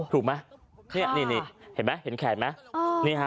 ถูกมั้ยนี่เห็นแขนมั้ย